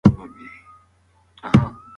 کتاب سم وتړه.